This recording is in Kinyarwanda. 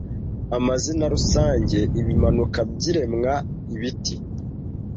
Amazina rusange - Ibimanuka byibiremwa Ibiti